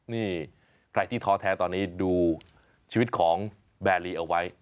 นี่ใครที่ท้อแท้ตอนนี้ดูชีวิตของแบรีเอาไว้